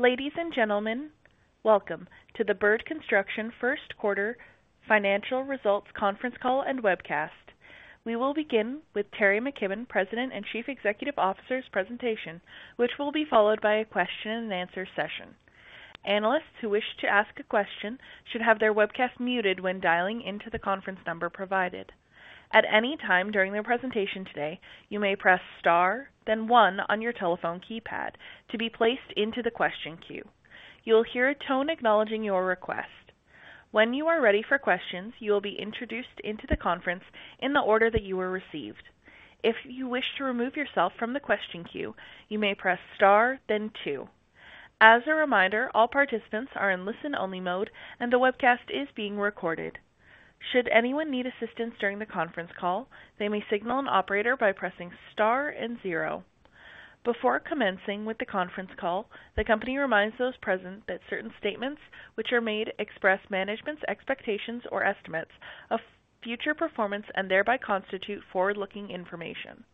Ladies and gentlemen, welcome to the Bird Construction first quarter financial results conference call and webcast. We will begin with Teri McKibbon, President and Chief Executive Officer's presentation, which will be followed by a question and answer session. Analysts who wish to ask a question should have their webcast muted when dialing into the conference number provided. At any time during their presentation today, you may press Star, then one on your telephone keypad to be placed into the question queue. You will hear a tone acknowledging your request. When you are ready for questions, you will be introduced into the conference in the order that you were received. If you wish to remove yourself from the question queue, you may press Star, then two. As a reminder, all participants are in listen-only mode and the webcast is being recorded. Should anyone need assistance during the conference call, they may signal an operator by pressing Star and zero. Before commencing with the conference call, the company reminds those present that certain statements which are made express management's expectations or estimates of future performance and thereby constitute forward-looking information.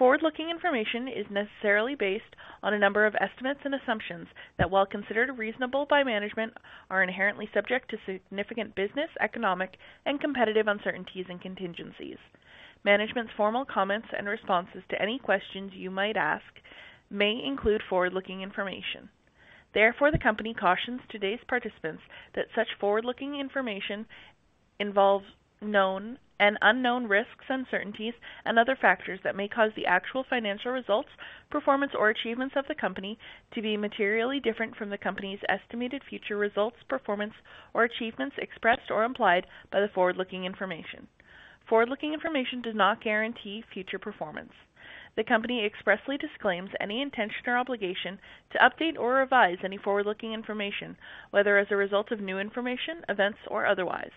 Forward-looking information is necessarily based on a number of estimates and assumptions that, while considered reasonable by management, are inherently subject to significant business, economic, and competitive uncertainties and contingencies. Management's formal comments and responses to any questions you might ask may include forward-looking information. Therefore, the company cautions today's participants that such forward-looking information involves known and unknown risks, uncertainties, and other factors that may cause the actual financial results, performance, or achievements of the company to be materially different from the company's estimated future results, performance, or achievements expressed or implied by the forward-looking information. Forward-looking information does not guarantee future performance. The company expressly disclaims any intention or obligation to update or revise any forward-looking information, whether as a result of new information, events, or otherwise.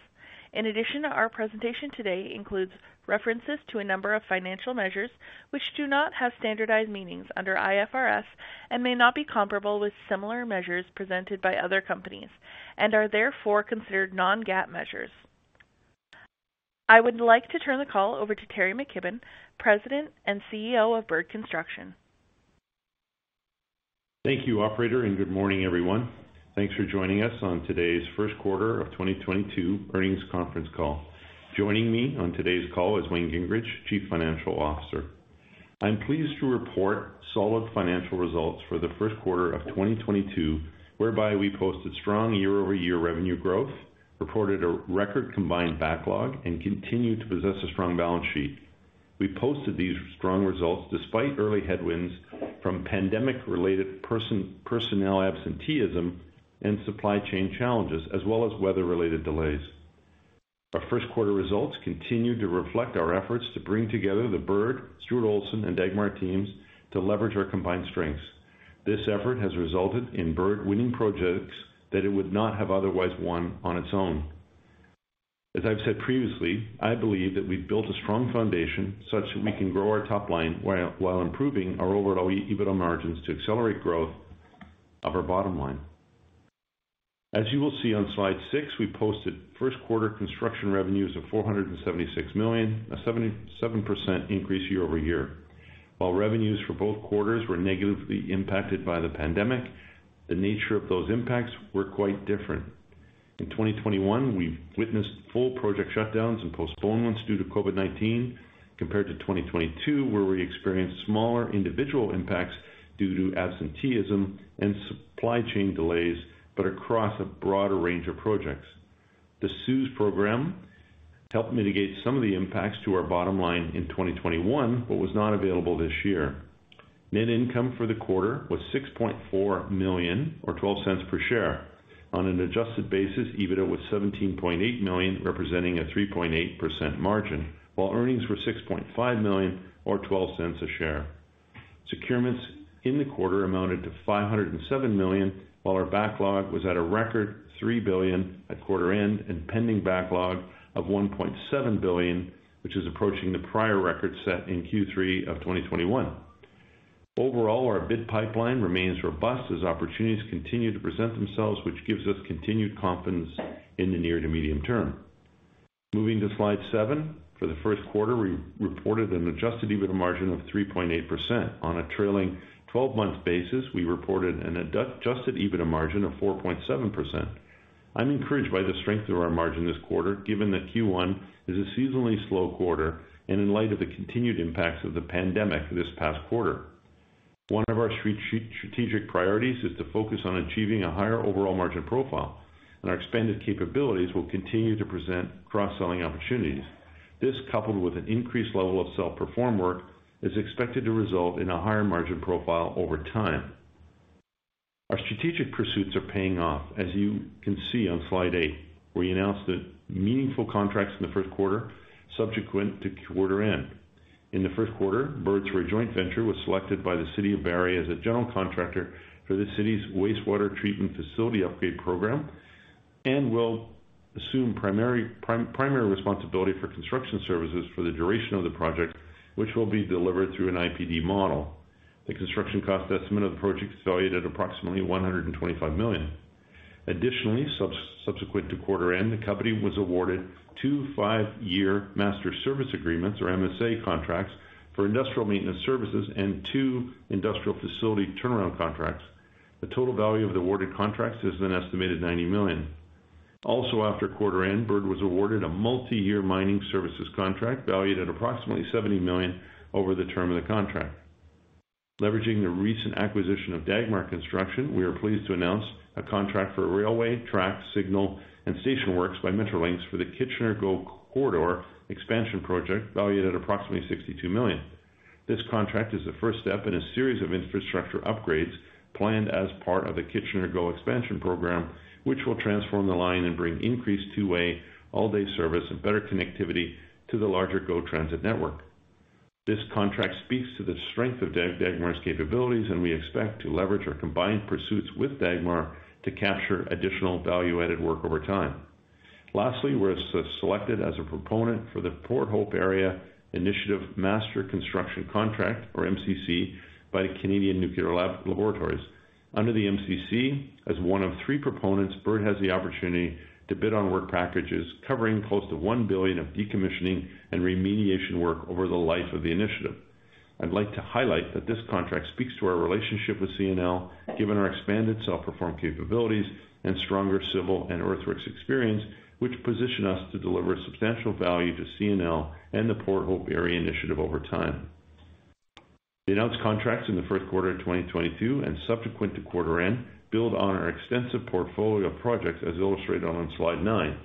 In addition, our presentation today includes references to a number of financial measures which do not have standardized meanings under IFRS and may not be comparable with similar measures presented by other companies, and are therefore considered non-GAAP measures. I would like to turn the call over to Teri McKibbon, President and CEO of Bird Construction. Thank you, operator, and good morning, everyone. Thanks for joining us on today's first quarter of 2022 earnings conference call. Joining me on today's call is Wayne Gingrich, Chief Financial Officer. I'm pleased to report solid financial results for the first quarter of 2022, whereby we posted strong year-over-year revenue growth, reported a record combined backlog, and continued to possess a strong balance sheet. We posted these strong results despite early headwinds from pandemic-related personnel absenteeism and supply chain challenges, as well as weather-related delays. Our first quarter results continue to reflect our efforts to bring together the Bird, Stuart Olson, and Dagmar teams to leverage our combined strengths. This effort has resulted in Bird winning projects that it would not have otherwise won on its own. I've said previously, I believe that we've built a strong foundation such that we can grow our top line while improving our overall EBITDA margins to accelerate growth of our bottom line. As you will see on slide six, we posted first quarter construction revenues of 476 million, a 77% increase year-over-year. Revenues for both quarters were negatively impacted by the pandemic, the nature of those impacts were quite different. In 2021, we've witnessed full project shutdowns and postponements due to COVID-19, compared to 2022, where we experienced smaller individual impacts due to absenteeism and supply chain delays, but across a broader range of projects. The CEWS program helped mitigate some of the impacts to our bottom line in 2021, but was not available this year. Net income for the quarter was 6.4 million or 0.12 per share. On an adjusted basis, EBITDA was 17.8 million, representing a 3.8% margin, while earnings were 6.5 million or 0.12 per share. Securements in the quarter amounted to 507 million, while our backlog was at a record 3 billion at quarter end and pending backlog of 1.7 billion, which is approaching the prior record set in Q3 of 2021. Overall, our bid pipeline remains robust as opportunities continue to present themselves, which gives us continued confidence in the near to medium term. Moving to slide seven. For the first quarter, we reported an Adjusted EBITDA margin of 3.8%. On a trailing twelve-month basis, we reported an Adjusted EBITDA margin of 4.7%. I'm encouraged by the strength of our margin this quarter, given that Q1 is a seasonally slow quarter and in light of the continued impacts of the pandemic this past quarter. One of our strategic priorities is to focus on achieving a higher overall margin profile, and our expanded capabilities will continue to present cross-selling opportunities. This, coupled with an increased level of self-perform work, is expected to result in a higher margin profile over time. Our strategic pursuits are paying off, as you can see on slide 8, where we announced the meaningful contracts in the first quarter subsequent to quarter end. In the first quarter, Bird through a joint venture, was selected by the City of Barrie as a general contractor for the city's wastewater treatment facility upgrade program, and will assume primary responsibility for construction services for the duration of the project, which will be delivered through an IPD model. The construction cost estimate of the project is valued at approximately 125 million. Additionally, subsequent to quarter end, the company was awarded two five-year master service agreements or MSA contracts for industrial maintenance services and two industrial facility turnaround contracts. The total value of the awarded contracts is an estimated 90 million. Also, after quarter end, Bird was awarded a multi-year mining services contract valued at approximately 70 million over the term of the contract. Leveraging the recent acquisition of Dagmar Construction, we are pleased to announce a contract for railway, track, signal, and station works by Metrolinx for the Kitchener GO Corridor expansion project valued at approximately 62 million. This contract is the first step in a series of infrastructure upgrades planned as part of the Kitchener GO expansion program, which will transform the line and bring increased two-way, all-day service and better connectivity to the larger GO Transit network. This contract speaks to the strength of Dagmar's capabilities, and we expect to leverage our combined pursuits with Dagmar to capture additional value-added work over time. Lastly, we're selected as a proponent for the Port Hope Area Initiative Master Construction contract or MCC by the Canadian Nuclear Laboratories. Under the MCC, as one of three proponents, Bird has the opportunity to bid on work packages covering close to 1 billion of decommissioning and remediation work over the life of the initiative. I'd like to highlight that this contract speaks to our relationship with CNL, given our expanded self-perform capabilities and stronger civil and earthworks experience, which position us to deliver substantial value to CNL and the Port Hope Area Initiative over time. The announced contracts in the first quarter of 2022 and subsequent to quarter end build on our extensive portfolio of projects as illustrated on slide nine.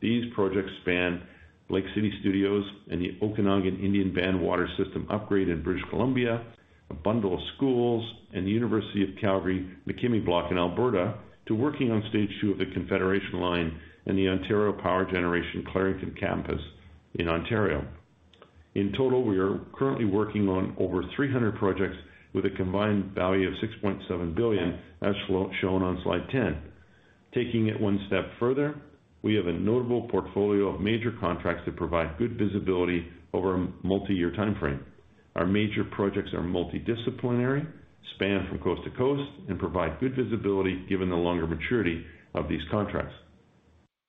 These projects span Lake City Studios and the Okanagan Indian Band Water System upgrade in British Columbia, a bundle of schools and the University of Calgary MacKimmie Block in Alberta, to working on stage two of the Confederation Line and the Ontario Power Generation Clarington campus in Ontario. In total, we are currently working on over 300 projects with a combined value of 6.7 billion as shown on slide 10. Taking it one step further, we have a notable portfolio of major contracts that provide good visibility over a multi-year timeframe. Our major projects are multidisciplinary, span from coast to coast, and provide good visibility given the longer maturity of these contracts.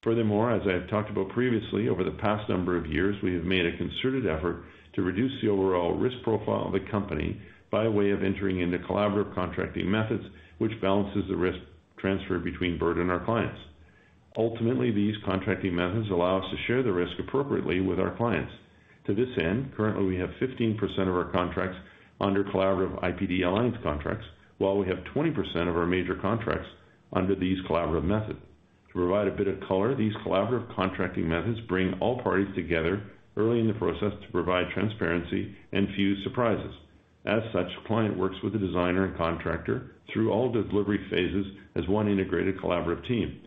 Furthermore, as I have talked about previously, over the past number of years, we have made a concerted effort to reduce the overall risk profile of the company by way of entering into collaborative contracting methods, which balances the risk transfer between Bird and our clients. Ultimately, these contracting methods allow us to share the risk appropriately with our clients. To this end, currently we have 15% of our contracts under collaborative IPD alliance contracts, while we have 20% of our major contracts under these collaborative methods. To provide a bit of color, these collaborative contracting methods bring all parties together early in the process to provide transparency and few surprises. As such, the client works with the designer and contractor through all delivery phases as one integrated collaborative team.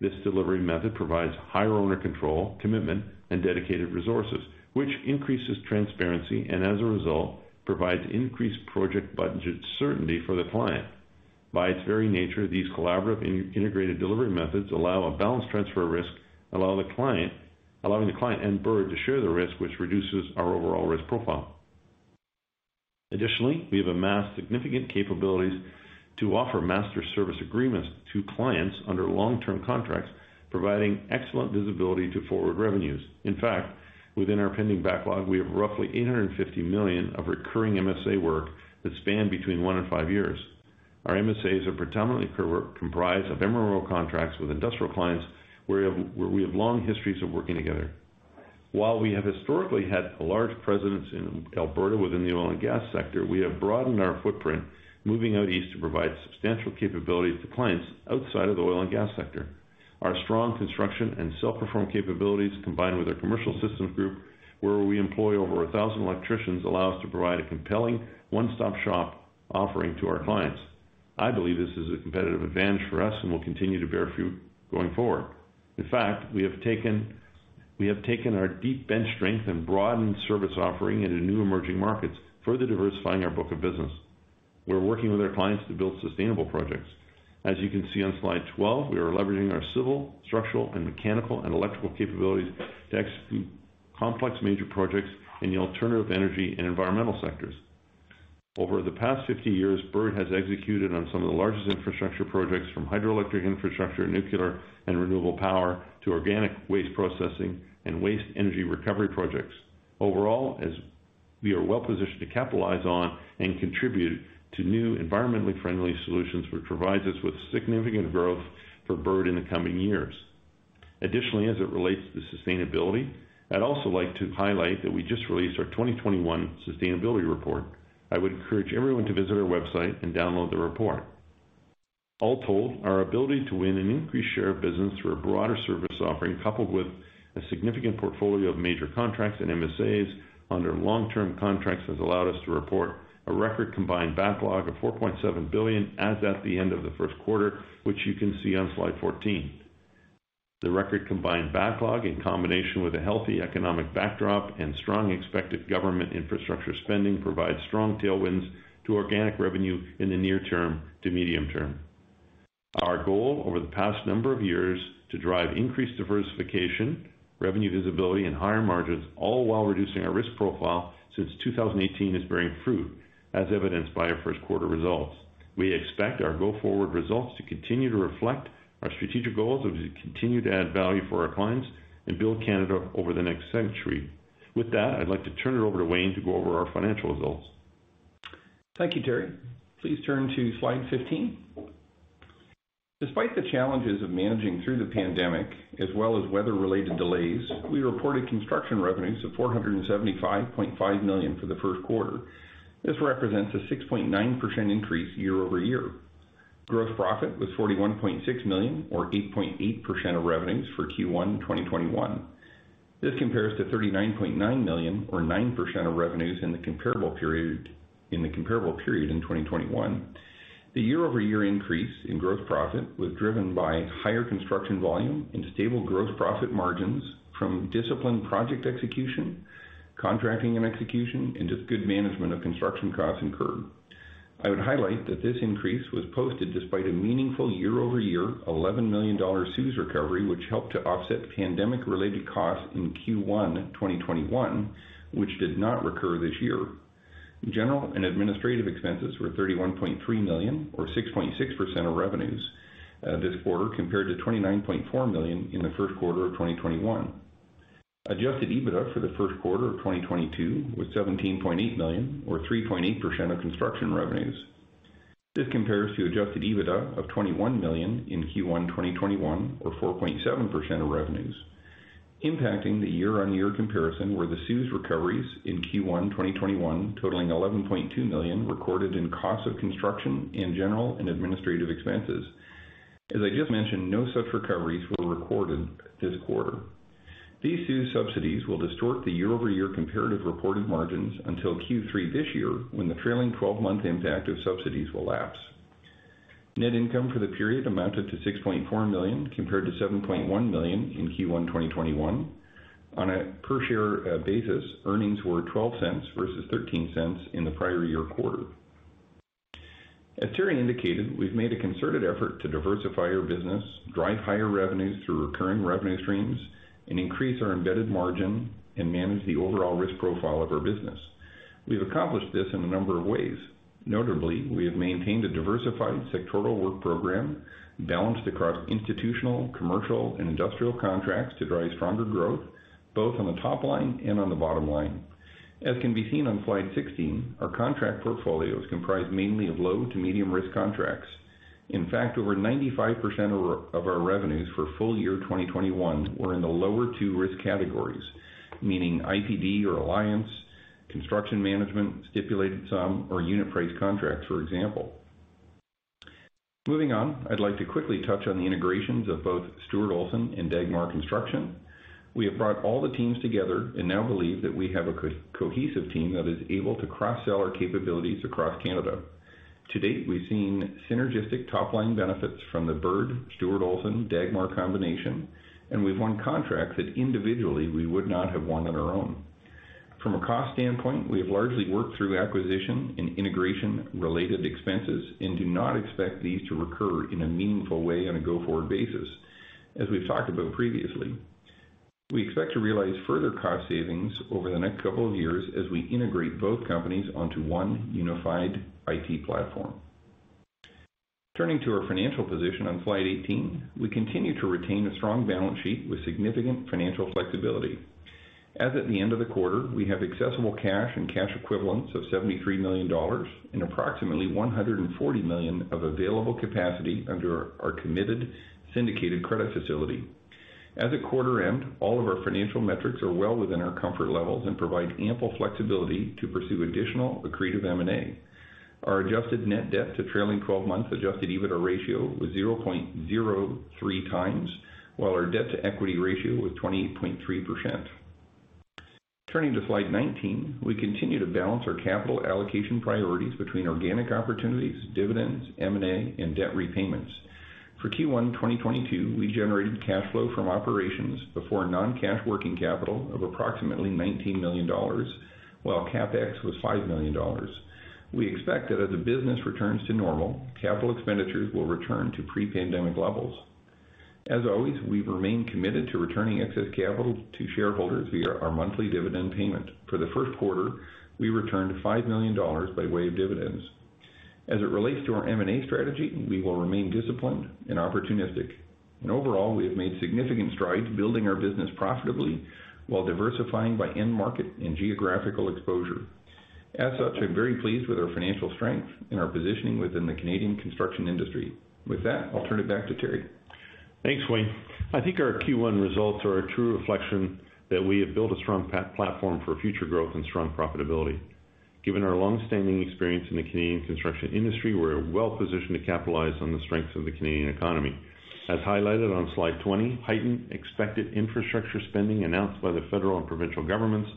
This delivery method provides higher owner control, commitment, and dedicated resources, which increases transparency and as a result, provides increased project budget certainty for the client. By its very nature, these collaborative integrated delivery methods allow a balanced transfer of risk, allowing the client and Bird to share the risk which reduces our overall risk profile. Additionally, we have amassed significant capabilities to offer master service agreements to clients under long-term contracts, providing excellent visibility to forward revenues. In fact, within our pending backlog, we have roughly 850 million of recurring MSA work that span between one and five years. Our MSAs are predominantly comprised of MRO contracts with industrial clients where we have long histories of working together. While we have historically had a large presence in Alberta within the oil and gas sector, we have broadened our footprint moving out east to provide substantial capabilities to clients outside of the oil and gas sector. Our strong construction and self-perform capabilities, combined with our commercial systems group, where we employ over 1,000 electricians, allow us to provide a compelling one-stop shop offering to our clients. I believe this is a competitive advantage for us and will continue to bear fruit going forward. In fact, we have taken our deep bench strength and broadened service offering into new emerging markets, further diversifying our book of business. We're working with our clients to build sustainable projects. As you can see on slide 12, we are leveraging our civil, structural, and mechanical, and electrical capabilities to execute complex major projects in the alternative energy and environmental sectors. Over the past 50 years, Bird has executed on some of the largest infrastructure projects from hydroelectric infrastructure, nuclear and renewable power, to organic waste processing and waste energy recovery projects. Overall, as we are well positioned to capitalize on and contribute to new environmentally friendly solutions, which provides us with significant growth for Bird in the coming years. Additionally, as it relates to sustainability, I'd also like to highlight that we just released our 2021 sustainability report. I would encourage everyone to visit our website and download the report. All told, our ability to win an increased share of business through a broader service offering, coupled with a significant portfolio of major contracts and MSAs under long-term contracts, has allowed us to report a record combined backlog of 4.7 billion as at the end of the first quarter, which you can see on slide 14. The record combined backlog, in combination with a healthy economic backdrop and strong expected government infrastructure spending, provides strong tailwinds to organic revenue in the near term to medium term. Our goal over the past number of years to drive increased diversification, revenue visibility, and higher margins, all while reducing our risk profile since 2018 is bearing fruit, as evidenced by our first quarter results. We expect our go-forward results to continue to reflect our strategic goals as we continue to add value for our clients and build Canada over the next century. With that, I'd like to turn it over to Wayne to go over our financial results. Thank you, Teri. Please turn to slide 15. Despite the challenges of managing through the pandemic as well as weather-related delays, we reported construction revenues of 475.5 million for the first quarter. This represents a 6.9% increase year over year. Gross profit was 41.6 million, or 8.8% of revenues for Q1 2021. This compares to 39.9 million or 9% of revenues in the comparable period in 2021. The year-over-year increase in gross profit was driven by higher construction volume and stable gross profit margins from disciplined project execution, contracting and execution, and just good management of construction costs incurred. I would highlight that this increase was posted despite a meaningful year-over-year 11 million dollar CEWS recovery, which helped to offset pandemic-related costs in Q1 2021, which did not recur this year. General and administrative expenses were 31.3 million or 6.6% of revenues this quarter, compared to 29.4 million in the first quarter of 2021. Adjusted EBITDA for the first quarter of 2022 was 17.8 million or 3.8% of construction revenues. This compares to Adjusted EBITDA of 21 million in Q1 2021 or 4.7% of revenues. Impacting the year-on-year comparison were the CEWS recoveries in Q1 2021 totaling 11.2 million recorded in cost of construction in general and administrative expenses. As I just mentioned, no such recoveries were recorded this quarter. These CEWS subsidies will distort the year-over-year comparative reported margins until Q3 this year, when the trailing twelve-month impact of subsidies will lapse. Net income for the period amounted to 6.4 million, compared to 7.1 million in Q1 2021. On a per share basis, earnings were 0.12 versus 0.13 in the prior year quarter. As Terry indicated, we've made a concerted effort to diversify our business, drive higher revenues through recurring revenue streams, and increase our embedded margin and manage the overall risk profile of our business. We've accomplished this in a number of ways. Notably, we have maintained a diversified sectoral work program balanced across institutional, commercial, and industrial contracts to drive stronger growth both on the top line and on the bottom line. As can be seen on slide 16, our contract portfolio is comprised mainly of low to medium risk contracts. In fact, over 95% of our revenues for full year 2021 were in the lower two risk categories, meaning IPD or alliance, construction management, stipulated sum or unit price contracts, for example. Moving on, I'd like to quickly touch on the integrations of both Stuart Olson and Dagmar Construction. We have brought all the teams together and now believe that we have a cohesive team that is able to cross-sell our capabilities across Canada. To date, we've seen synergistic top-line benefits from the Bird, Stuart Olson, Dagmar combination, and we've won contracts that individually we would not have won on our own. From a cost standpoint, we have largely worked through acquisition and integration-related expenses and do not expect these to recur in a meaningful way on a go-forward basis, as we've talked about previously. We expect to realize further cost savings over the next couple of years as we integrate both companies onto one unified IT platform. Turning to our financial position on slide 18, we continue to retain a strong balance sheet with significant financial flexibility. As at the end of the quarter, we have accessible cash and cash equivalents of 73 million dollars and approximately 140 million of available capacity under our committed syndicated credit facility. As at quarter end, all of our financial metrics are well within our comfort levels and provide ample flexibility to pursue additional accretive M&A. Our adjusted net debt to trailing twelve months adjusted EBITDA ratio was 0.03 times, while our debt-to-equity ratio was 28.3%. Turning to slide 19. We continue to balance our capital allocation priorities between organic opportunities, dividends, M&A, and debt repayments. For Q1 2022, we generated cash flow from operations before non-cash working capital of approximately 19 million dollars, while CapEx was 5 million dollars. We expect that as the business returns to normal, capital expenditures will return to pre-pandemic levels. As always, we remain committed to returning excess capital to shareholders via our monthly dividend payment. For the first quarter, we returned 5 million dollars by way of dividends. As it relates to our M&A strategy, we will remain disciplined and opportunistic. Overall, we have made significant strides building our business profitably while diversifying by end market and geographical exposure. As such, I'm very pleased with our financial strength and our positioning within the Canadian construction industry. With that, I'll turn it back to Teri. Thanks, Wayne. I think our Q1 results are a true reflection that we have built a strong platform for future growth and strong profitability. Given our long-standing experience in the Canadian construction industry, we're well positioned to capitalize on the strengths of the Canadian economy. As highlighted on slide 20, heightened expected infrastructure spending announced by the federal and provincial governments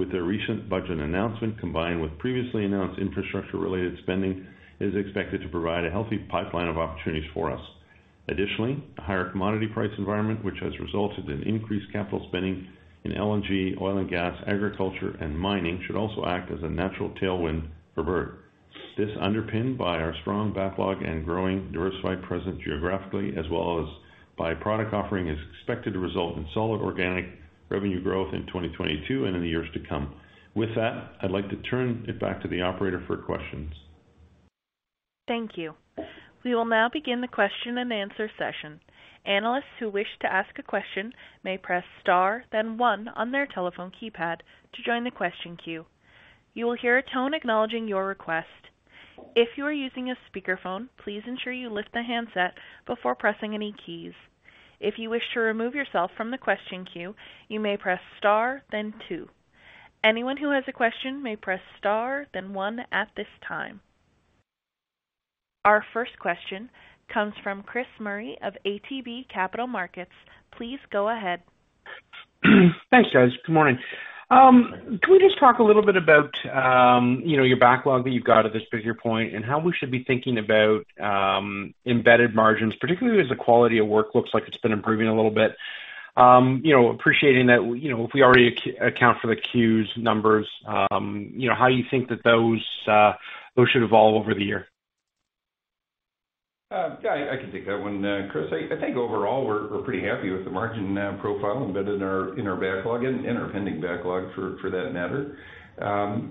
with their recent budget announcement, combined with previously announced infrastructure-related spending, is expected to provide a healthy pipeline of opportunities for us. Additionally, a higher commodity price environment, which has resulted in increased capital spending in LNG, oil and gas, agriculture, and mining should also act as a natural tailwind for Bird. This underpinned by our strong backlog and growing diversified presence geographically as well as by product offering is expected to result in solid organic revenue growth in 2022 and in the years to come. With that, I'd like to turn it back to the operator for questions. Thank you. We will now begin the question and answer session. Analysts who wish to ask a question may press star then one on their telephone keypad to join the question queue. You will hear a tone acknowledging your request. If you are using a speakerphone, please ensure you lift the handset before pressing any keys. If you wish to remove yourself from the question queue, you may press star then two. Anyone who has a question may press star then one at this time. Our first question comes from Chris Murray of ATB Capital Markets. Please go ahead. Thanks, guys. Good morning. Can we just talk a little bit about, you know, your backlog that you've got at this bigger point and how we should be thinking about embedded margins, particularly as the quality of work looks like it's been improving a little bit. You know, appreciating that, you know, if we already account for the Q2's numbers, you know, how you think that those should evolve over the year. Yeah, I can take that one, Chris. I think overall, we're pretty happy with the margin profile embedded in our backlog and our pending backlog for that matter.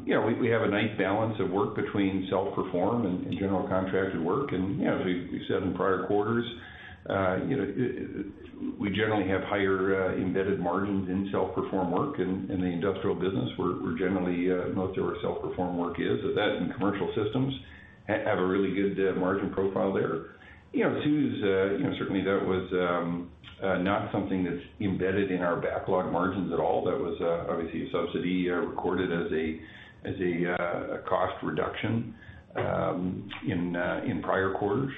You know, we have a nice balance of work between self-perform and general contracted work. You know, as we've said in prior quarters, you know, we generally have higher embedded margins in self-perform work in the industrial business, where generally most of our self-perform work is. So that and commercial systems have a really good margin profile there. You know, CEWS, you know, certainly that was not something that's embedded in our backlog margins at all. That was obviously a subsidy recorded as a cost reduction in prior quarters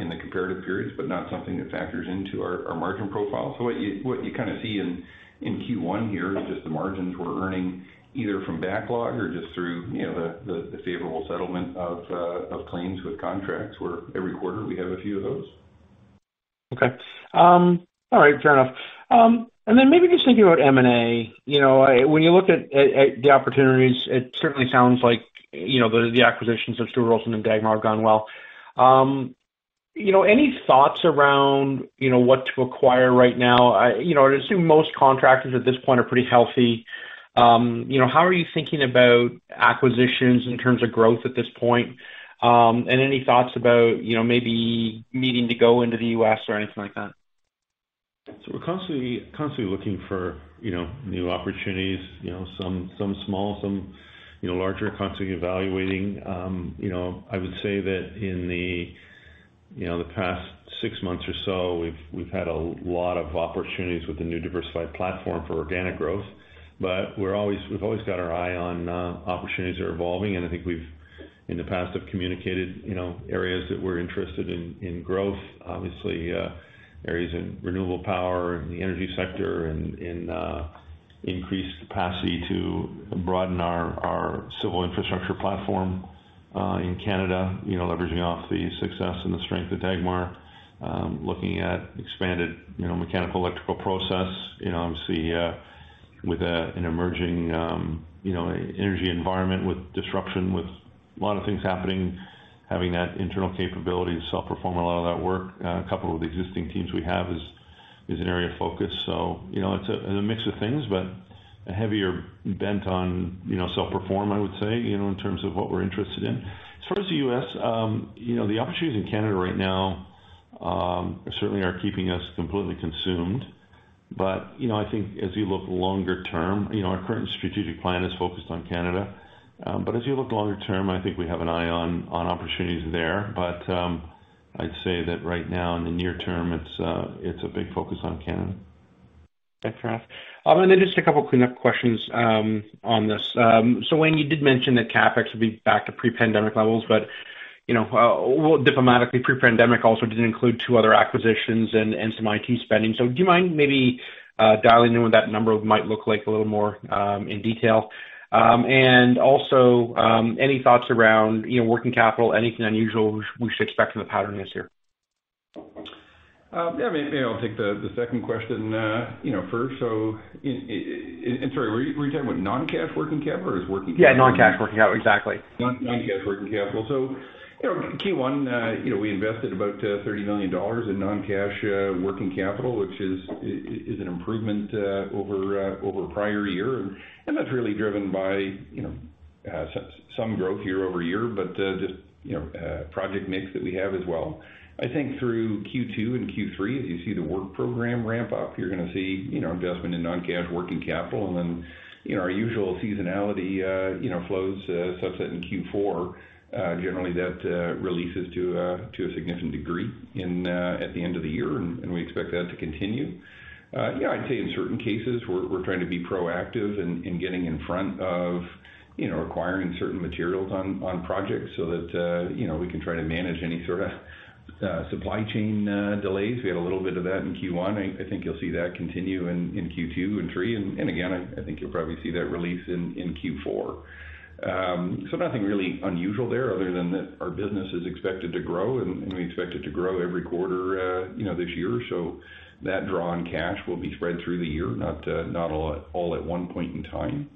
in the comparative periods, but not something that factors into our margin profile. What you kinda see in Q1 here is just the margins we're earning either from backlog or just through you know the favorable settlement of claims with contracts, where every quarter we have a few of those. Okay. All right, fair enough. Maybe just thinking about M&A. You know, when you look at the opportunities, it certainly sounds like, you know, the acquisitions of Stuart Olson and Dagmar have gone well. You know, any thoughts around, you know, what to acquire right now? You know, I'd assume most contractors at this point are pretty healthy. You know, how are you thinking about acquisitions in terms of growth at this point? Any thoughts about, you know, maybe needing to go into the U.S. or anything like that? We're constantly looking for, you know, new opportunities. You know, some small, some larger, constantly evaluating. You know, I would say that in the past six months or so, we've had a lot of opportunities with the new diversified platform for organic growth. We're always we've always got our eye on opportunities that are evolving, and I think we've, in the past, have communicated, you know, areas that we're interested in growth. Obviously, areas in renewable power, in the energy sector and in increased capacity to broaden our civil infrastructure platform in Canada. You know, leveraging off the success and the strength of Dagmar. Looking at expanded, you know, mechanical electrical process. You know, obviously, with an emerging, you know, energy environment with disruption with a lot of things happening, having that internal capability to self-perform a lot of that work, a couple of the existing teams we have is an area of focus. You know, it's a mix of things, but a heavier bent on, you know, self-perform, I would say, you know, in terms of what we're interested in. As far as the U.S., you know, the opportunities in Canada right now certainly are keeping us completely consumed. You know, I think as you look longer term, you know, our current strategic plan is focused on Canada. As you look longer term, I think we have an eye on opportunities there. I'd say that right now in the near term, it's a big focus on Canada. Okay, fair enough. Just a couple clean up questions on this. Wayne, you did mention that CapEx will be back to pre-pandemic levels, but you know, well, diplomatically, pre-pandemic also didn't include two other acquisitions and some IT spending. Do you mind maybe dialing in what that number might look like a little more in detail? Also, any thoughts around you know, working capital, anything unusual we should expect from the pattern this year? Yeah, maybe I'll take the second question, you know, first. Sorry, were you talking about non-cash working capital or just working capital? Yeah, non-cash working capital. Exactly. Non-cash working capital. You know, Q1, you know, we invested about 30 million dollars in non-cash working capital, which is an improvement over prior year. That's really driven by some growth year-over-year, but just project mix that we have as well. I think through Q2 and Q3, as you see the work program ramp up, you're gonna see investment in non-cash working capital. Then, our usual seasonality flows subside in Q4. Generally, that releases to a significant degree at the end of the year, and we expect that to continue. Yeah, I'd say in certain cases, we're trying to be proactive in getting in front of, you know, acquiring certain materials on projects so that, you know, we can try to manage any sorta supply chain delays. We had a little bit of that in Q1. I think you'll see that continue in Q2 and Q3. Again, I think you'll probably see that release in Q4. Nothing really unusual there other than that our business is expected to grow and we expect it to grow every quarter, you know, this year. That draw on cash will be spread through the year, not all at one point in time.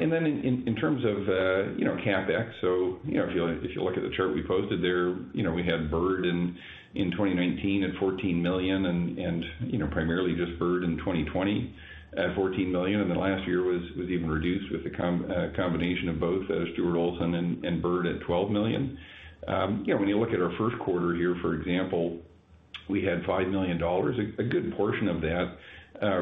In terms of, you know, CapEx. If you look at the chart we posted there, you know, we had Bird in 2019 at 14 million and, you know, primarily just Bird in 2020 at 14 million. Last year was even reduced with a combination of both, Stuart Olson and Bird at 12 million. You know, when you look at our first quarter here, for example, we had 5 million dollars, a good portion of that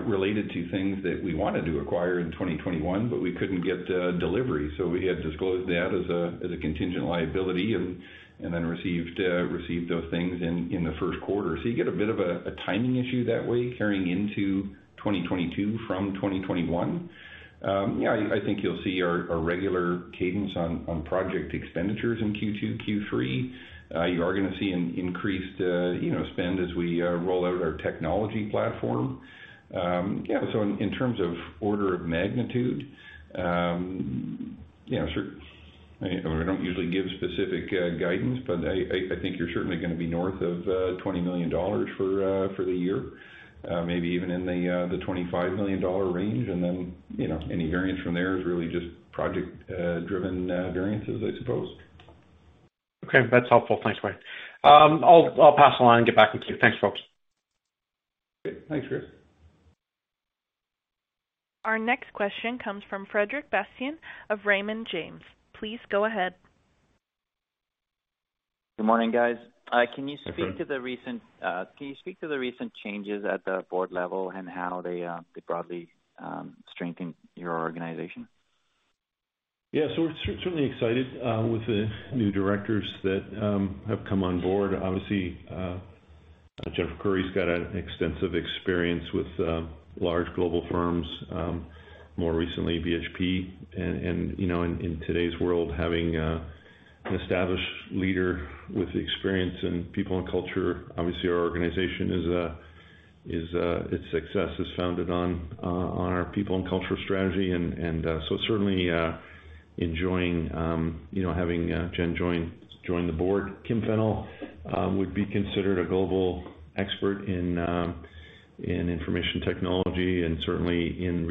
related to things that we wanted to acquire in 2021, but we couldn't get delivery. We had disclosed that as a contingent liability and then received those things in the first quarter. You get a bit of a timing issue that way carrying into 2022 from 2021. Yeah, I think you'll see our regular cadence on project expenditures in Q2, Q3. You are gonna see an increased, you know, spend as we roll out our technology platform. Yeah, so in terms of order of magnitude, you know, I don't usually give specific guidance, but I think you're certainly gonna be north of 20 million dollars for the year, maybe even in the 25 million dollar range. Then, you know, any variance from there is really just project driven variances, I suppose. Okay. That's helpful. Thanks, Teri. I'll pass along and get back with you. Thanks, folks. Great. Thanks, Chris. Our next question comes from Frederic Bastien of Raymond James. Please go ahead. Good morning, guys. Hi, Fred. Can you speak to the recent changes at the board level and how they broadly strengthen your organization? Yeah. We're certainly excited with the new directors that have come on board. Obviously, Jennifer Koury's got an extensive experience with large global firms, more recently BHP. You know, in today's world, having an established leader with experience in people and culture, obviously our organization. Its success is founded on our people and culture strategy. Certainly enjoying you know having Jen join the board. J. Kim Fennell would be considered a global expert in information technology and certainly in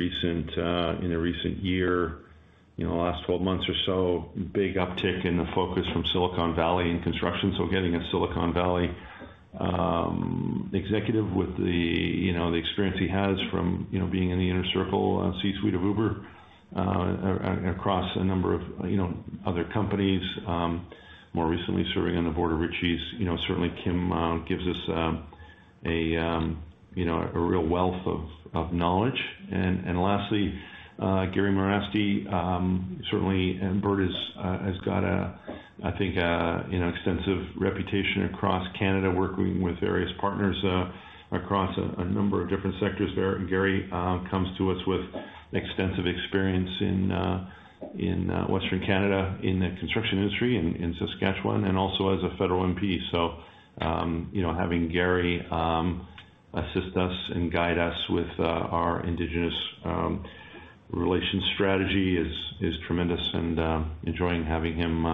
the recent year, you know, the last 12 months or so, big uptick in the focus from Silicon Valley in construction. Getting a Silicon Valley executive with the, you know, the experience he has from, you know, being in the inner circle, C-suite of Uber, across a number of, you know, other companies, more recently serving on the board of Ritchie Bros. You know, certainly Kim gives us, you know, a real wealth of knowledge. Lastly, Gary Merasty, certainly, and Bird has got a, I think, you know, extensive reputation across Canada working with various partners, across a number of different sectors there. Gary comes to us with extensive experience in Western Canada in the construction industry in Saskatchewan, and also as a federal M.P. Having Gary assist us and guide us with our Indigenous relations strategy is tremendous and enjoying having him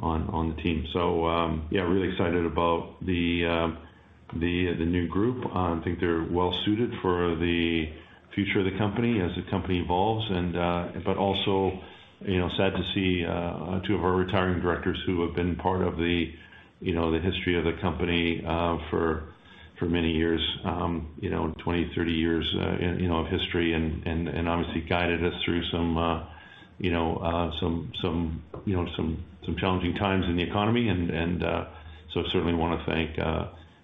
on the team. Yeah, really excited about the new group. I think they're well suited for the future of the company as the company evolves. But also, you know, sad to see two of our retiring directors who have been part of the history of the company for many years, you know, 20, 30 years of history and obviously guided us through some challenging times in the economy. Certainly wanna thank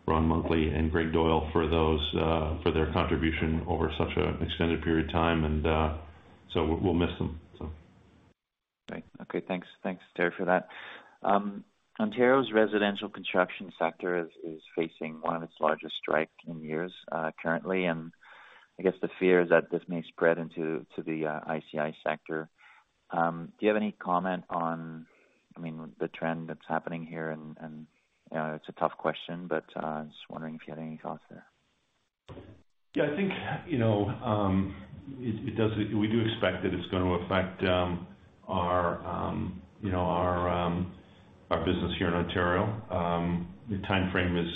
Ron Huntley and Greg Doyle for their contribution over such an extended period of time, and so we'll miss them so. Great. Okay, thanks. Thanks, Teri, for that. Ontario's residential construction sector is facing one of its largest strikes in years, currently, and I guess the fear is that this may spread into the ICI sector. Do you have any comment on, I mean, the trend that's happening here? You know, it's a tough question, but I was just wondering if you had any thoughts there. Yeah, I think, you know, it does. We do expect that it's gonna affect our business here in Ontario. The timeframe is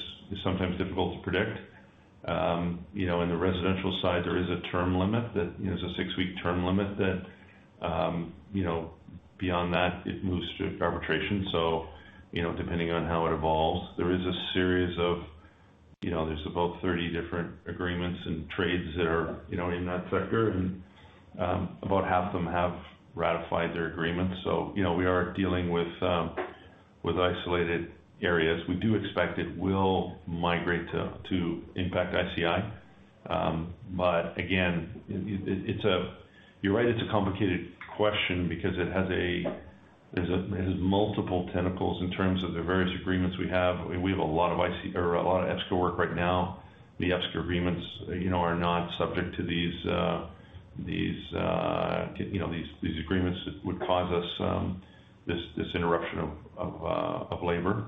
sometimes difficult to predict. You know, in the residential side, there is a term limit that there's a six-week term limit that, you know, beyond that, it moves to arbitration. Depending on how it evolves. There is a series of, you know, there's about 30 different agreements and trades that are, you know, in that sector, and about half of them have ratified their agreements. You know, we are dealing with isolated areas. We do expect it will migrate to impact ICI. But again, it's a. You're right, it's a complicated question because it has multiple tentacles in terms of the various agreements we have. We have a lot of ICI or a lot of ESCO work right now. The ESCO agreements are not subject to these agreements that would cause us this interruption of labor.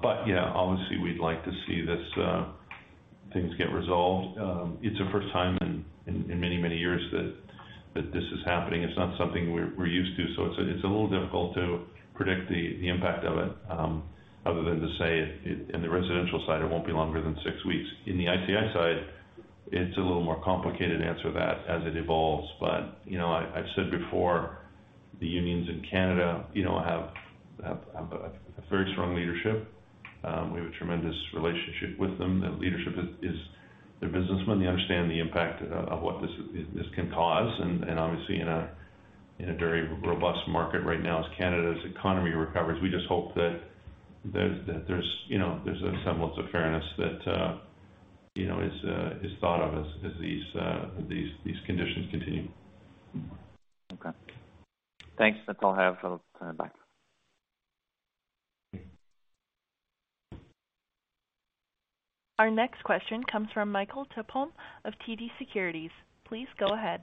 But yeah, obviously we'd like to see these things get resolved. It's the first time in many years that this is happening. It's not something we're used to. It's a little difficult to predict the impact of it other than to say it in the residential side, it won't be longer than six weeks. In the ICI side, it's a little more complicated to answer that as it evolves. You know, I've said before The unions in Canada, you know, have a very strong leadership. We have a tremendous relationship with them. The leadership is they're businessmen. They understand the impact of what this can cause. Obviously in a very robust market right now as Canada's economy recovers, we just hope that there's, you know, there's some levels of fairness that you know is thought of as these conditions continue. Okay. Thanks. That's all I have. I'll turn it back. Our next question comes from Michael Tupholme of TD Securities. Please go ahead.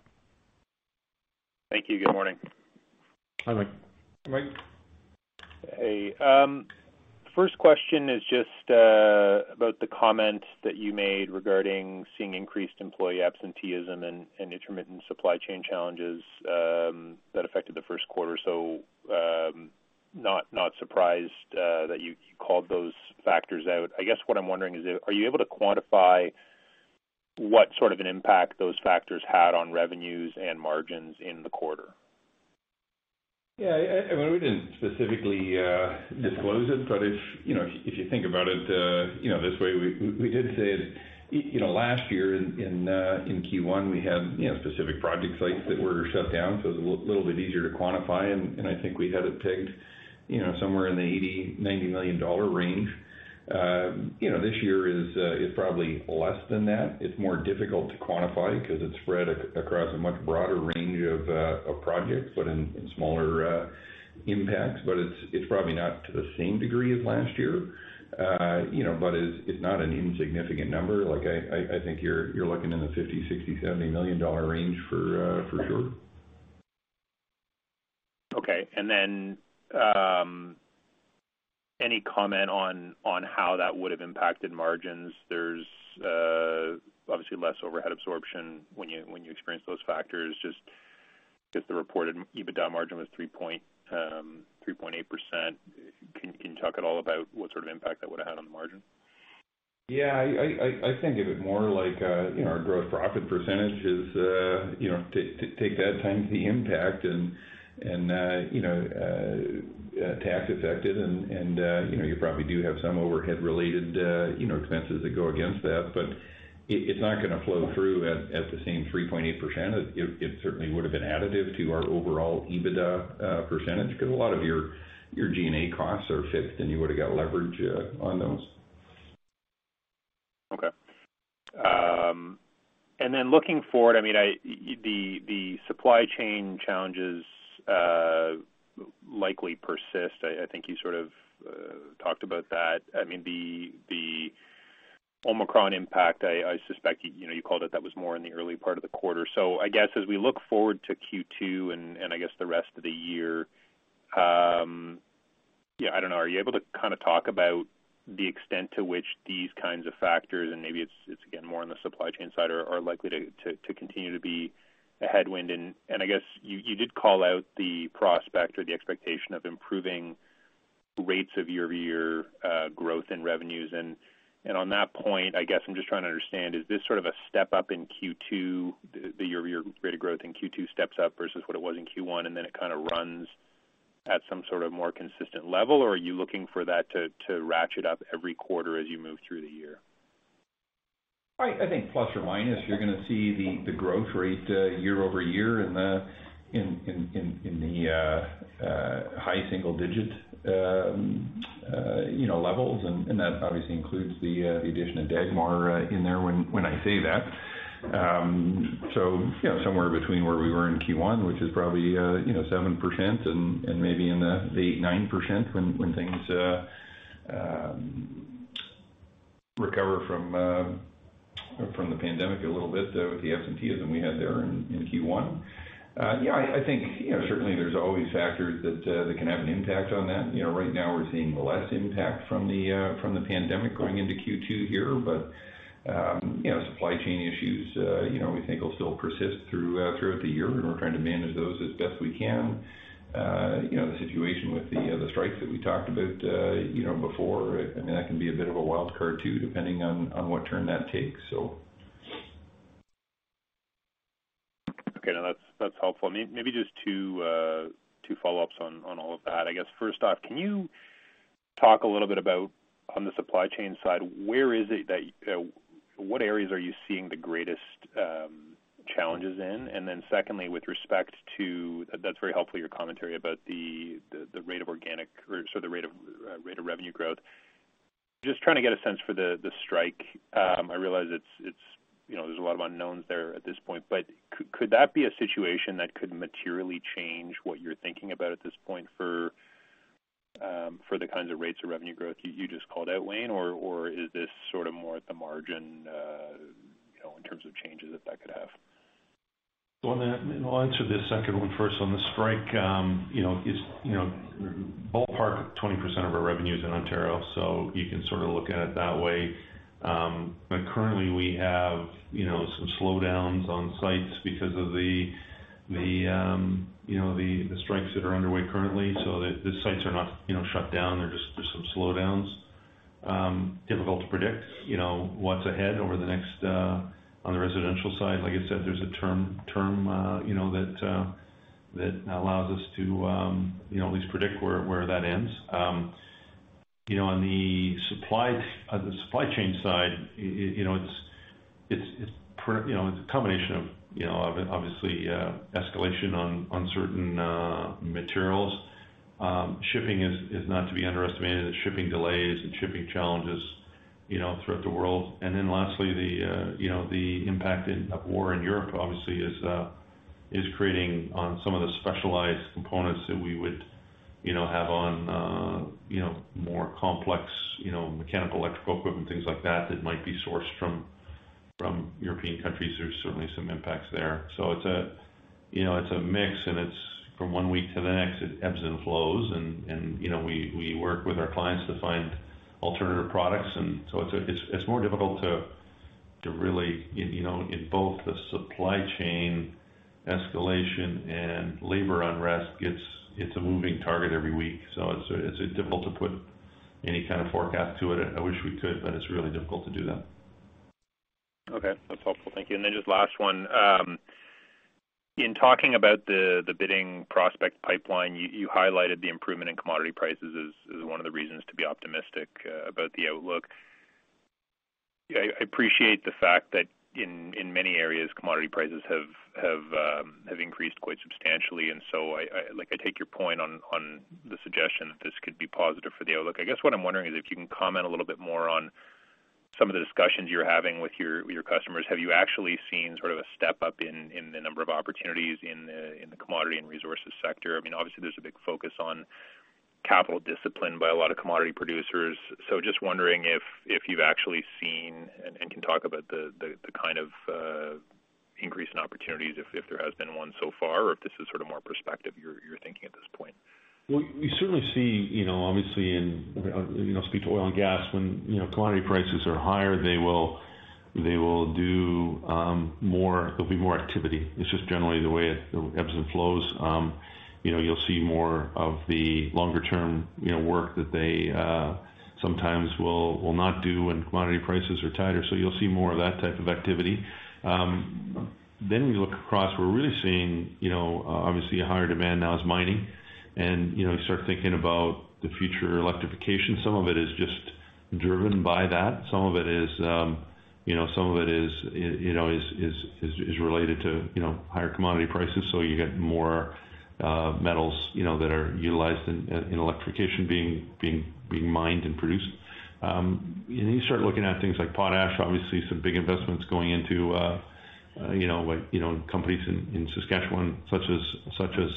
Thank you. Good morning. Hi, Mike. Mike. Hey. First question is just about the comment that you made regarding seeing increased employee absenteeism and intermittent supply chain challenges that affected the first quarter. Not surprised that you called those factors out. I guess what I'm wondering is if are you able to quantify what sort of an impact those factors had on revenues and margins in the quarter? I mean, we didn't specifically disclose it. If you think about it this way, we did say it. You know, last year in Q1, we had specific project sites that were shut down, so it was a little bit easier to quantify. I think we had it pegged somewhere in the 80 million-90 million dollar range. You know, this year is probably less than that. It's more difficult to quantify 'cause it's spread across a much broader range of projects, but in smaller impacts. It's probably not to the same degree as last year. You know, but it's not an insignificant number. Like, I think you're looking in the 50, 60, 70 million range for sure. Okay. Any comment on how that would've impacted margins? There's obviously less overhead absorption when you experience those factors, just 'cause the reported EBITDA margin was 3.8%. Can you talk at all about what sort of impact that would've had on the margin? Yeah. I think of it more like, you know, our gross profit percentage is, you know. Take that times the impact and, you know, tax affected and, you know, you probably do have some overhead related, you know, expenses that go against that. But it's not gonna flow through at the same 3.8%. It certainly would have been additive to our overall EBITDA percentage 'cause a lot of your G&A costs are fixed, and you would've got leverage on those. Okay. Then looking forward, I mean, the supply chain challenges likely persist. I think you sort of talked about that. I mean, the Omicron impact, I suspect you know, you called it, that was more in the early part of the quarter. I guess as we look forward to Q2 and I guess the rest of the year, yeah, I don't know, are you able to kinda talk about the extent to which these kinds of factors, and maybe it's again more on the supply chain side, are likely to continue to be a headwind? I guess you did call out the prospect or the expectation of improving rates of year-over-year growth in revenues. on that point, I guess I'm just trying to understand, is this sort of a step-up in Q2, the year-over-year rate of growth in Q2 steps up versus what it was in Q1, and then it kinda runs at some sort of more consistent level? Or are you looking for that to ratchet up every quarter as you move through the year? I think ±, you're gonna see the growth rate year-over-year in the high single digit, you know, levels. That obviously includes the addition of Dagmar in there when I say that. You know, somewhere between where we were in Q1, which is probably 7% and maybe in the 8%-9% when things recover from the pandemic a little bit, with the absenteeism we had there in Q1. Yeah, I think you know, certainly there's always factors that can have an impact on that. You know, right now we're seeing less impact from the pandemic going into Q2 here. You know, supply chain issues. You know, we think will still persist throughout the year, and we're trying to manage those as best we can. You know, the situation with the strikes that we talked about, you know, before. I mean, that can be a bit of a wild card too, depending on what turn that takes, so. Okay. No, that's helpful. Maybe just two follow-ups on all of that. I guess, first off, can you talk a little bit about on the supply chain side. What areas are you seeing the greatest challenges in? Then secondly, That's very helpful, your commentary about the rate of organic or sorry, the rate of revenue growth. Just trying to get a sense for the strike. I realize it's you know, there's a lot of unknowns there at this point, but could that be a situation that could materially change what you're thinking about at this point for the kinds of rates of revenue growth you just called out, Wayne? Is this sort of more at the margin, you know, in terms of changes that could have? Well, I'll answer the second one first. On the strike, you know, ballpark 20% of our revenue's in Ontario, so you can sort of look at it that way. Currently, we have, you know, some slowdowns on sites because of the you know, the strikes that are underway currently. The sites are not, you know, shut down. There's just some slowdowns. Difficult to predict, you know, what's ahead over the next. On the residential side, like I said, there's a term, you know, that allows us to, you know, at least predict where that ends. You know, on the supply chain side, it, you know, it's a combination of, you know, obviously escalation on certain materials. Shipping is not to be underestimated. There's shipping delays and shipping challenges, you know, throughout the world. Lastly, the impact of war in Europe obviously is creating on some of the specialized components that we would have on more complex mechanical, electrical equipment, things like that might be sourced from European countries. There's certainly some impacts there. It's a, you know, it's a mix and it's from one week to the next, it ebbs and flows and you know we work with our clients to find alternative products and so it's more difficult to really you know in both the supply chain escalation and labor unrest, it's a moving target every week, so it's difficult to put any kind of forecast to it. I wish we could, but it's really difficult to do that. Okay. That's helpful. Thank you. Then just last one. In talking about the bidding prospect pipeline, you highlighted the improvement in commodity prices as one of the reasons to be optimistic about the outlook. I appreciate the fact that in many areas, commodity prices have increased quite substantially. Like, I take your point on the suggestion that this could be positive for the outlook. I guess what I'm wondering is if you can comment a little bit more on some of the discussions you're having with your customers. Have you actually seen sort of a step up in the number of opportunities in the commodity and resources sector? I mean, obviously there's a big focus on capital discipline by a lot of commodity producers. Just wondering if you've actually seen and can talk about the kind of increase in opportunities if there has been one so far, or if this is sort of more prospective you're thinking at this point? Well, we certainly see, you know, obviously in, you know, speak to oil and gas when, you know, commodity prices are higher, they will do more. There'll be more activity. It's just generally the way it ebbs and flows. You know, you'll see more of the longer term, you know, work that they sometimes will not do when commodity prices are tighter. You'll see more of that type of activity. We look across, we're really seeing, you know, obviously a higher demand now is mining. You know, you start thinking about the future electrification. Some of it is just driven by that. Some of it is, you know, some of it is related to, you know, higher commodity prices. You get more metals, you know, that are utilized in electrification being mined and produced. You start looking at things like potash, obviously some big investments going into, you know, like companies in Saskatchewan such as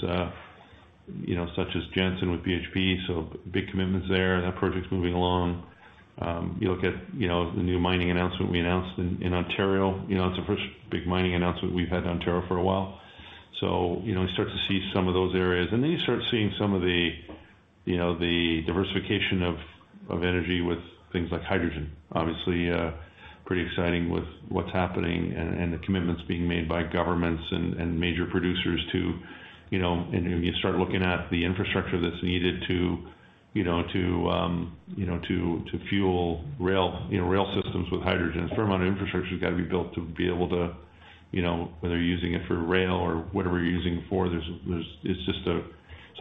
Jansen with BHP. Big commitments there. That project's moving along. You look at, you know, the new mining announcement we announced in Ontario. You know, it's the first big mining announcement we've had in Ontario for a while. You start to see some of those areas, and then you start seeing some of the, you know, the diversification of energy with things like hydrogen. Obviously, pretty exciting with what's happening and the commitments being made by governments and major producers to, you know. You start looking at the infrastructure that's needed to, you know, to fuel rail systems with hydrogen. There's a fair amount of infrastructure that's gotta be built to be able to, you know, whether you're using it for rail or whatever you're using it for, there's.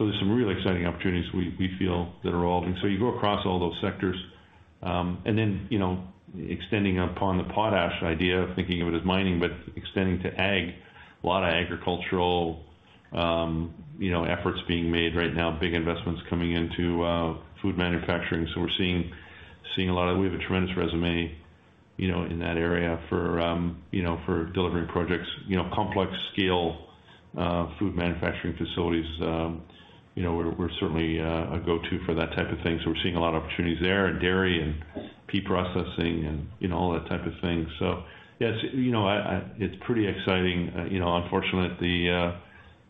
There's some really exciting opportunities we feel that are all. You go across all those sectors. You know, extending upon the potash idea of thinking of it as mining, but extending to ag, a lot of agricultural efforts being made right now, big investments coming into food manufacturing. We're seeing a lot of. We have a tremendous resume, you know, in that area for delivering projects. You know, complex, large-scale food manufacturing facilities, you know, we're certainly a go-to for that type of thing. We're seeing a lot of opportunities there in dairy and pea processing and, you know, all that type of thing. Yes, you know, it's pretty exciting. You know, unfortunately, the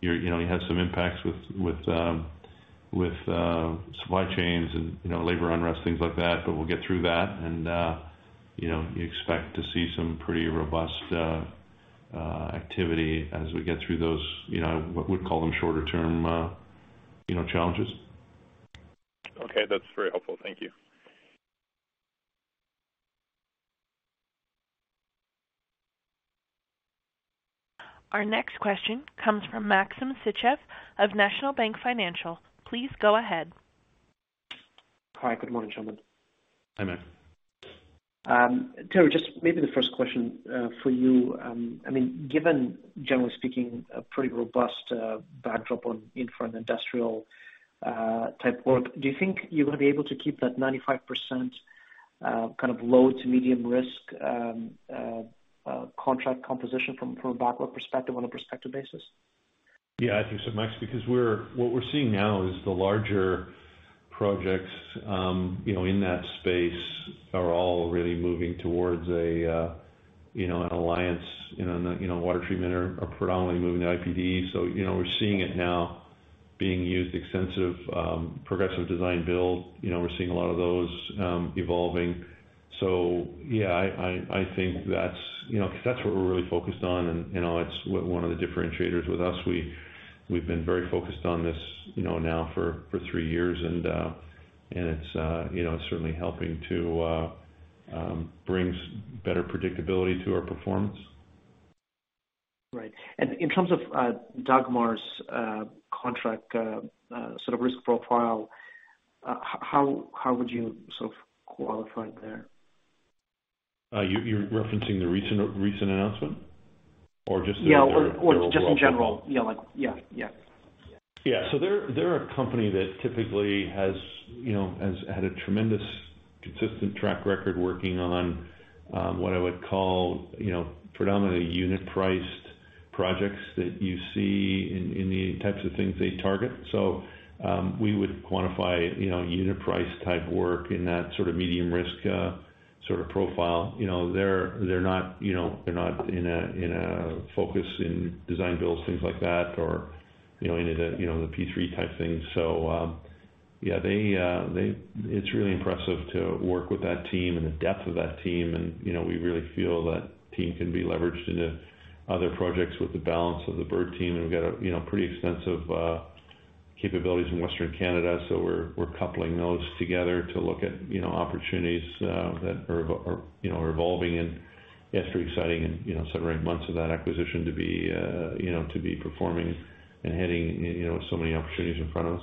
year, you know, you had some impacts with supply chains and, you know, labor unrest, things like that. We'll get through that and, you know, you expect to see some pretty robust activity as we get through those, you know, what we'd call them shorter-term, you know, challenges. Okay. That's very helpful. Thank you. Our next question comes from Maxim Sytchev of National Bank Financial. Please go ahead. Hi. Good morning, gentlemen. Hi, Max. Terry, just maybe the first question for you. I mean, given generally speaking a pretty robust backdrop in for an industrial type work, do you think you're gonna be able to keep that 95% kind of low to medium risk contract composition from a backlog perspective on a prospective basis? Yeah, I think so, Max, because what we're seeing now is the larger projects, you know, in that space are all really moving towards an alliance, you know. Water treatment are predominantly moving to IPD. You know, we're seeing it now being used extensively progressive design build. You know, we're seeing a lot of those evolving. Yeah, I think that's, you know, 'cause that's what we're really focused on and it's one of the differentiators with us. We've been very focused on this, you know, now for three years and it's, you know, certainly helping to bring better predictability to our performance. Right. In terms of Dagmar's contract sort of risk profile, how would you sort of qualify there? You're referencing the recent announcement or just their overall profile? Yeah, or just in general. Yeah, like. Yeah. Yeah. They're a company that typically has, you know, has had a tremendous consistent track record working on what I would call, you know, predominantly unit priced projects that you see in the types of things they target. We would quantify, you know, unit price type work in that sort of medium risk sort of profile. You know, they're not, you know, they're not in a focus in design builds, things like that or, you know, any of the, you know, the P3 type things. It's really impressive to work with that team and the depth of that team and, you know, we really feel that team can be leveraged into other projects with the balance of the Bird team. We've got a, you know, pretty extensive capabilities in Western Canada. We're coupling those together to look at, you know, opportunities that are, you know, evolving and it's very exciting and, you know, celebrating months of that acquisition to be, you know, to be performing and hitting, you know, so many opportunities in front of us.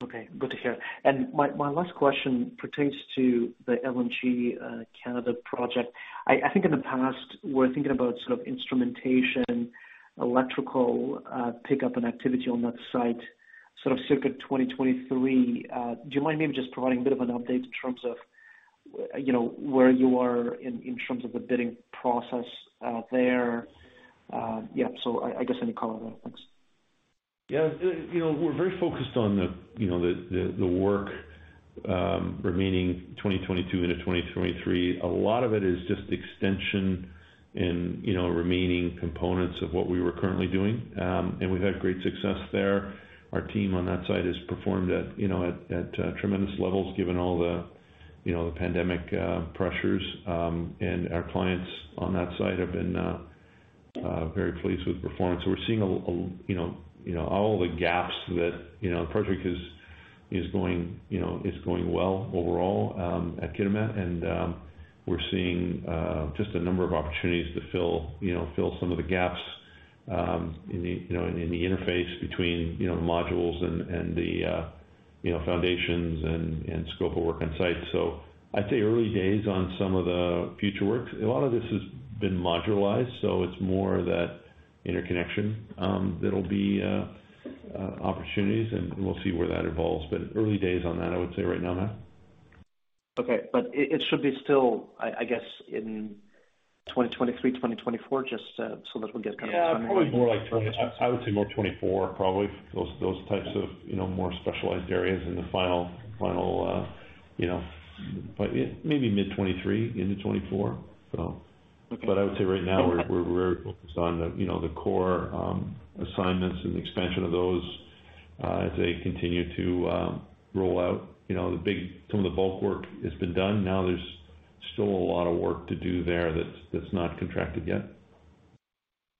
Okay. Good to hear. My last question pertains to the LNG Canada project. I think in the past, we're thinking about sort of instrumentation, electrical, pickup and activity on that site, sort of circa 2023. Do you mind maybe just providing a bit of an update in terms of, you know, where you are in terms of the bidding process there? Yeah, I guess any color there. Thanks. Yeah. You know, we're very focused on the, you know, the work remaining 2022 into 2023. A lot of it is just extension and, you know, remaining components of what we were currently doing. We've had great success there. Our team on that site has performed at, you know, tremendous levels given all the, you know, the pandemic pressures. Our clients on that site have been very pleased with performance. We're seeing, you know, all the gaps that, you know, the project is going well overall at Kitimat. We're seeing just a number of opportunities to fill you know some of the gaps in the you know in the interface between you know the modules and the foundations and scope of work on site. I'd say early days on some of the future works. A lot of this has been modularized, so it's more that interconnection that'll be opportunities and we'll see where that evolves. Early days on that, I would say right now, Matt. Okay. It should be still, I guess, in 2023, 2024, just so that we get kind of a timeline. Yeah, probably more like 20, I would say more 24, probably those types of, you know, more specialized areas in the final, you know, but maybe mid 23 into 24. Okay. I would say right now we're very focused on, you know, the core assignments and expansion of those as they continue to roll out. You know, some of the bulk work has been done. Now there's still a lot of work to do there that's not contracted yet.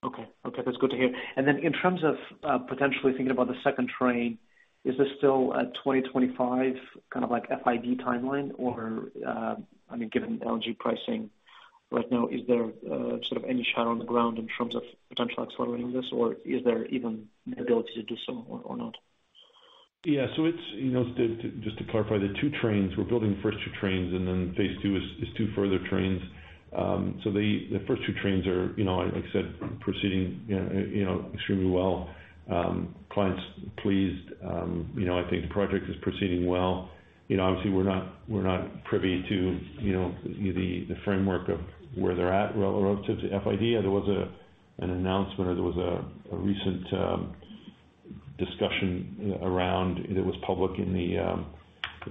Okay. Okay, that's good to hear. Then in terms of potentially thinking about the second train, is this still a 2025, kind of like FID timeline? Or, I mean, given LNG pricing right now, is there sort of any shot on the ground in terms of potential accelerating this or is there even the ability to do so or not? Yeah. It's, you know, just to clarify, the two trains, we're building the first two trains and then phase II is two further trains. The first two trains are, you know, like I said, proceeding, you know, extremely well. Clients pleased. You know, I think the project is proceeding well. You know, obviously we're not privy to, you know, the framework of where they're at relative to FID. There was an announcement or there was a recent discussion around that was public in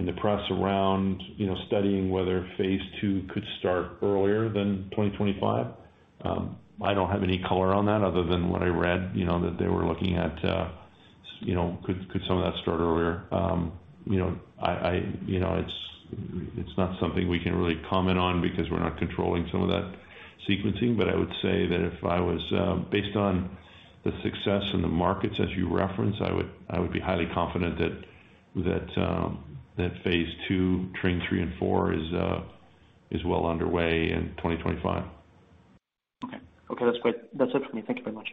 the press around, you know, studying whether phase II could start earlier than 2025. I don't have any color on that other than what I read, you know, that they were looking at, you know, could some of that start earlier. You know, it's not something we can really comment on because we're not controlling some of that sequencing. I would say that if I was based on the success in the markets as you reference, I would be highly confident that phase II, train three and four is well underway in 2025. Okay. Okay, that's great. That's it for me. Thank you very much.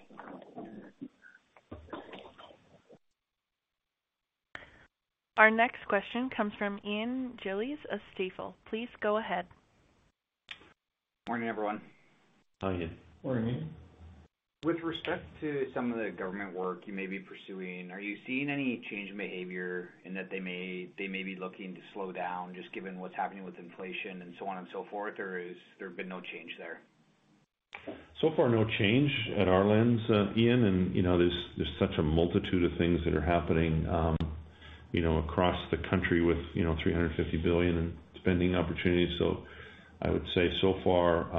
Our next question comes from Ian Gillies of Stifel. Please go ahead. Morning, everyone. Hi, Ian. Morning, Ian. With respect to some of the government work you may be pursuing, are you seeing any change in behavior in that they may be looking to slow down just given what's happening with inflation and so on and so forth, or is there been no change there? So far, no change on our end, Ian Gillies. You know, there's such a multitude of things that are happening, you know, across the country with 350 billion in spending opportunities. I would say so far,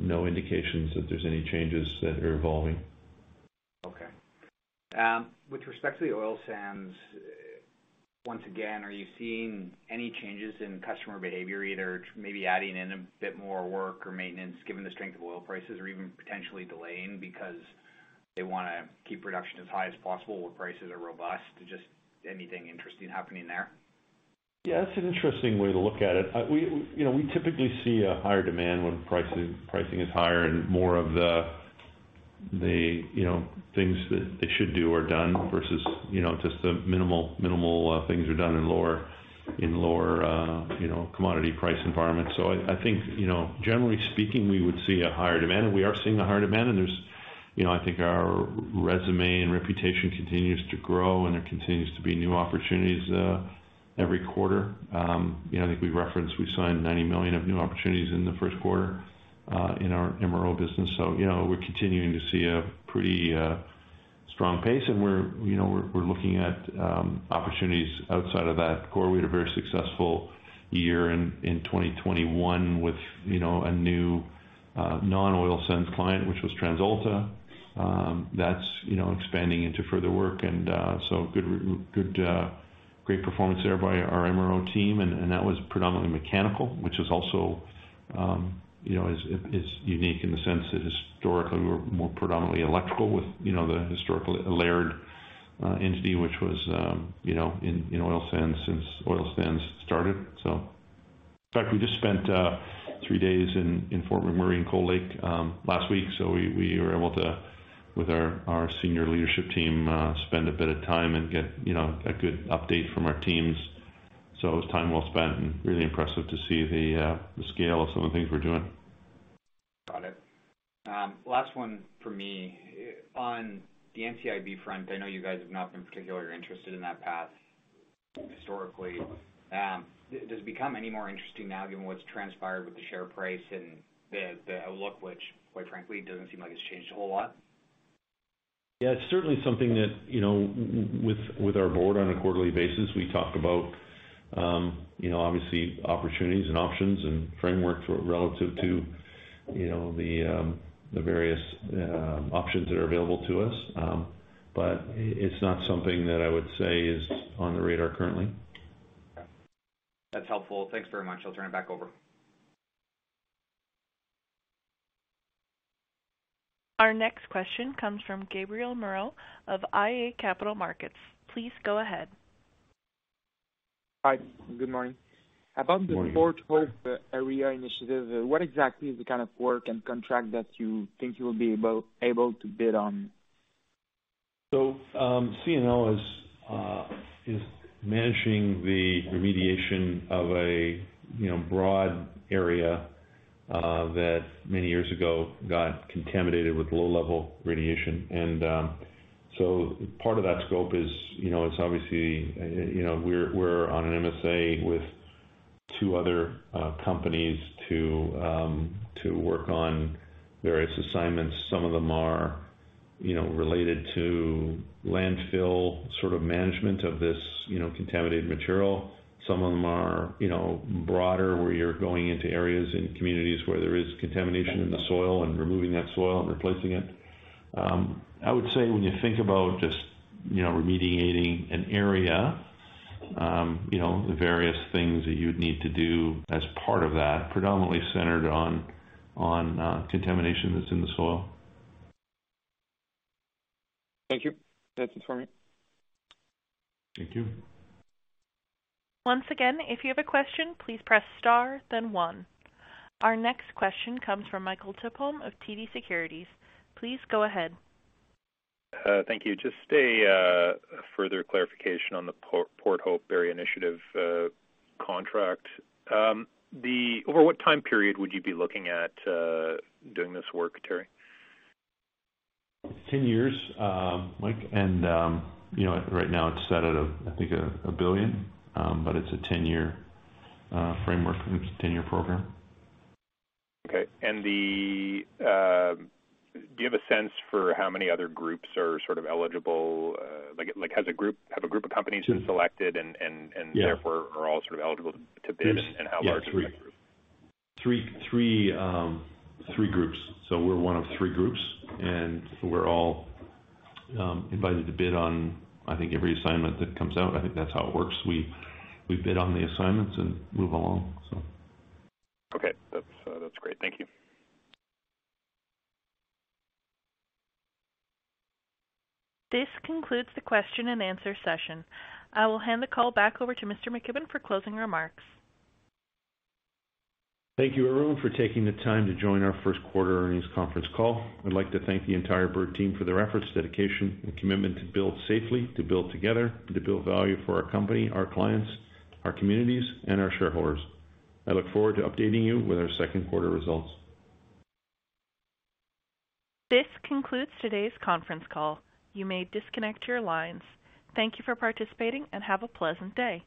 no indications that there's any changes that are evolving. Okay. With respect to the oil sands, once again, are you seeing any changes in customer behavior, either maybe adding in a bit more work or maintenance given the strength of oil prices or even potentially delaying because they wanna keep production as high as possible where prices are robust? Just anything interesting happening there. Yeah, it's an interesting way to look at it. We, you know, typically see a higher demand when pricing is higher and more of the you know things that they should do are done versus you know just the minimal things are done in lower you know commodity price environment. I think, you know, generally speaking, we would see a higher demand, and we are seeing a higher demand. You know, I think our resume and reputation continues to grow and there continues to be new opportunities every quarter. You know, I think we referenced we signed 90 million of new opportunities in the first quarter in our MRO business. You know, we're continuing to see a pretty strong pace and we're, you know, we're looking at opportunities outside of that core. We had a very successful year in 2021 with, you know, a new non-oil sands client, which was TransAlta. That's, you know, expanding into further work and great performance there by our MRO team. And that was predominantly mechanical, which is also, you know, unique in the sense that historically we were more predominantly electrical with, you know, the historical layered entity, which was, you know, in oil sands since oil sands started. In fact, we just spent three days in Fort McMurray in Cold Lake last week, so we were able to, with our senior leadership team, spend a bit of time and get you know a good update from our teams. It was time well spent and really impressive to see the scale of some of the things we're doing. Got it. Last one for me. On the NCIB front, I know you guys have not been particularly interested in that path historically. Does it become any more interesting now given what's transpired with the share price and the outlook, which quite frankly doesn't seem like it's changed a whole lot? Yeah, it's certainly something that, you know, with our board on a quarterly basis, we talk about, you know, obviously opportunities and options and framework for relative to, you know, the various options that are available to us. It's not something that I would say is on the radar currently. Okay. That's helpful. Thanks very much. I'll turn it back over. Our next question comes from Gabriel Moreau of iA Capital Markets. Please go ahead. Hi. Good morning. Good morning. About the Port Hope Area Initiative, what exactly is the kind of work and contract that you think you will be able to bid on? CNL is managing the remediation of a, you know, broad area that many years ago got contaminated with low-level radiation. Part of that scope is, you know, it's obviously, you know, we're on an MSA with two other companies to work on various assignments. Some of them are, you know, related to landfill sort of management of this, you know, contaminated material. Some of them are, you know, broader, where you're going into areas and communities where there is contamination in the soil and removing that soil and replacing it. I would say when you think about just, you know, remediating an area, you know, the various things that you would need to do as part of that predominantly centered on contamination that's in the soil. Thank you. That's it for me. Thank you. Once again, if you have a question, please press star then one. Our next question comes from Michael Tupholme of TD Securities. Please go ahead. Thank you. Just a further clarification on the Port Hope Area Initiative contract. Over what time period would you be looking at doing this work, Teri? 10 years, Mike. You know, right now it's set at, I think 1 billion, but it's a 10-year framework, 10-year program. Okay. Do you have a sense for how many other groups are sort of eligible? Like, have a group of companies been selected and? Yeah. Therefore, are all sort of eligible to bid, and how large is that group? three groups. We're one of three groups, and we're all invited to bid on, I think, every assignment that comes out. I think that's how it works. We bid on the assignments and move along. Okay. That's great. Thank you. This concludes the question and answer session. I will hand the call back over to Mr. McKibbon for closing remarks. Thank you everyone for taking the time to join our first quarter earnings conference call. I'd like to thank the entire Bird team for their efforts, dedication, and commitment to build safely, to build together, and to build value for our company, our clients, our communities, and our shareholders. I look forward to updating you with our second quarter results. This concludes today's conference call. You may disconnect your lines. Thank you for participating and have a pleasant day.